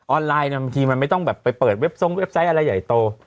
ไลน์บางทีมันไม่ต้องแบบไปเปิดเว็บทรงเว็บไซต์อะไรใหญ่โต